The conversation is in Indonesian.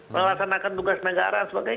melaksanakan tugas negara dan sebagainya